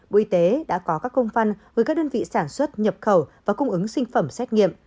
bộ y tế đã có các công văn gửi các đơn vị sản xuất nhập khẩu và cung ứng sinh phẩm xét nghiệm